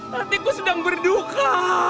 nanti gue sedang berduka